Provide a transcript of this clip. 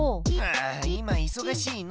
あいまいそがしいの！